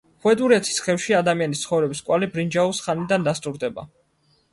ხვედურეთის ხევში ადამიანის ცხოვრების კვალი ბრინჯაოს ხანიდან დასტურდება.